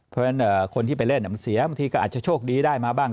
เพราะฉะนั้นคนที่ไปเล่นมันเสียบางทีก็อาจจะโชคดีได้มาบ้าง